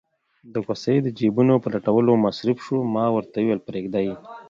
د کوسۍ د جېبونو په لټولو مصروف شو، ما ورته وویل: پرېږده یې.